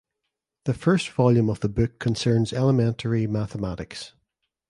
The first volume of the book concerns elementary mathematics.